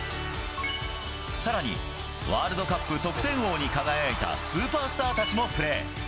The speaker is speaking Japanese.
さらに、ワールドカップ得点王に輝いたスーパースターたちもプレー。